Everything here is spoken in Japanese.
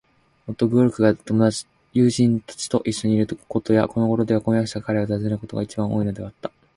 もっとも、ゲオルクが友人たちといっしょにいることや、このごろでは婚約者が彼を訪ねることが、いちばん多いのではあった。